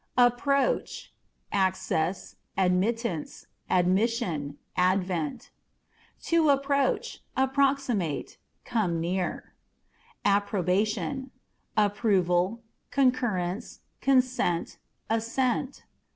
Approach â€" access, admittance, admission, advent. To Approach, Approximate â€" come near. Approbation â€" approval, concurrence, consent, assent.